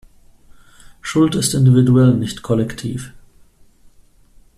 Schuld ist individuell, nicht kollektiv.